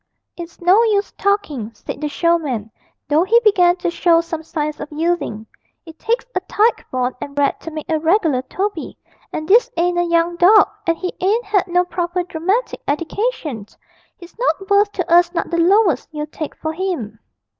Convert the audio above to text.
'It's no use talking,' said the showman, though he began to show some signs of yielding. 'It takes a tyke born and bred to make a reg'lar Toby. And this ain't a young dog, and he ain't 'ad no proper dramatic eddication; he's not worth to us not the lowest you'd take for him.'